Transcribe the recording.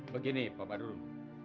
begini bapak durun